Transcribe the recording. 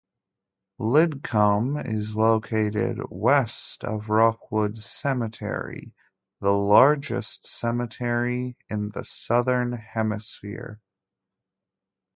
Lidcombe is located west of Rookwood Cemetery, the largest cemetery in the Southern Hemisphere.